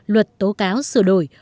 luật tố cáo sửa đổi